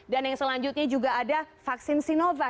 dan yang selanjutnya juga ada vaksin sinovac